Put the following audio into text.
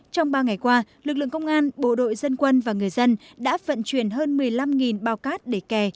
trong ba ngày qua lực lượng công an bộ đội dân quân và người dân đã vận chuyển hơn một mươi năm bao cát để kè